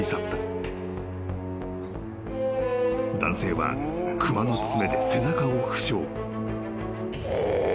［男性は熊の爪で背中を負傷］